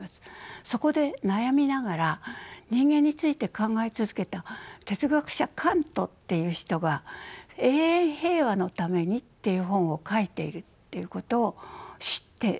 そこで悩みながら人間について考え続けた哲学者カントっていう人が「永遠平和のために」っていう本を書いているっていうことを知ってそれを読みました。